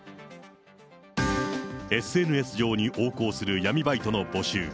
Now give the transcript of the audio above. ＳＮＳ上に横行する闇バイトの募集。